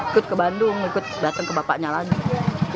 ikut ke bandung ikut datang ke bapaknya lagi